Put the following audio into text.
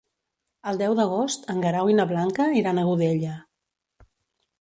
El deu d'agost en Guerau i na Blanca iran a Godella.